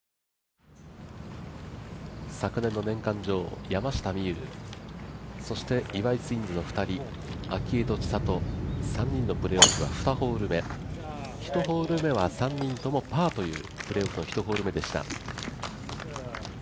昨年の年間女王、山下美夢有そして、岩井ツインズの２人明愛と千怜３人のプレーオフは２ホール目、１ホール目は３人ともパーというプレーオフの１ホール目でした。